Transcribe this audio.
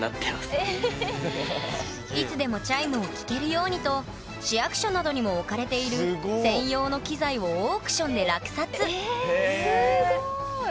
いつでもチャイムを聴けるようにと市役所などにも置かれている専用の機材をオークションで落札えすごい！